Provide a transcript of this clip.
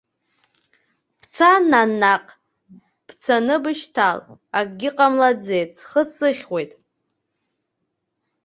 Бца, нана, наҟ, бцаны бышьҭала, акгьы ҟамлаӡеит, схы сыхьуеит.